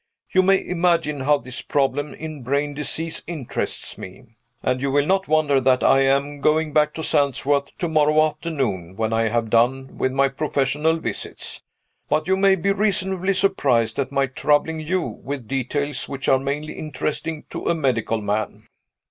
You may imagine how this problem in brain disease interests me; and you will not wonder that I am going back to Sandsworth tomorrow afternoon, when I have done with my professional visits. But you may be reasonably surprised at my troubling you with details which are mainly interesting to a medical man."